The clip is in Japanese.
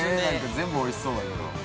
◆全部おいしそうだけど。